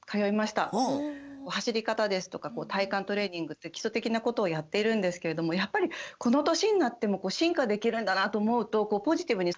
走り方ですとか体幹トレーニングっていう基礎的なことをやっているんですけれどもやっぱりこの年になっても進化できるんだなと思うとポジティブに取り組めています。